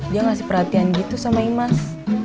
dia ngasih perhatian gitu sama imas